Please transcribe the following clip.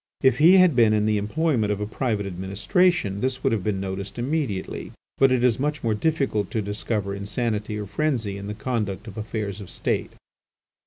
If he had been in the employment of a private administration this would have been noticed immediately, but it is much more difficult to discover insanity or frenzy in the conduct of affairs of State.